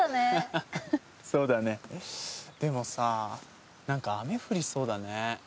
ハッハッハそうだねでもさ何か雨降りそうだね